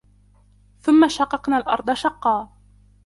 ثُمَّ شَقَقْنَا الْأَرْضَ شَقًّا